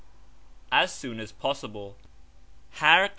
As soon as possible Oh no!